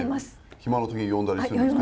暇な時読んだりするんですか。